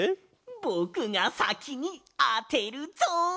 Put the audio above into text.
ぼくがさきにあてるぞ！